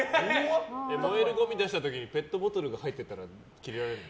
燃えるごみ出す時にペットボトル入ってたらキレられるの？